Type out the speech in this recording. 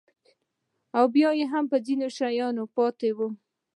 بیا به هم ځینې شیان پاتې وي.